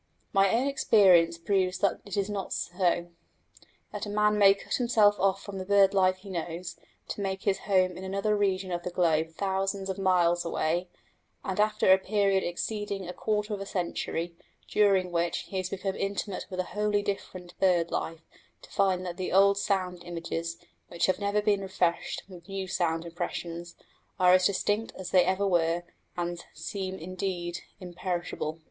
My own experience proves that it is not so; that a man may cut himself off from the bird life he knows, to make his home in another region of the globe thousands of miles away, and after a period exceeding a quarter of a century, during which he has become intimate with a wholly different bird life, to find that the old sound images, which have never been refreshed with new sense impressions, are as distinct as they ever were, and seem indeed imperishable.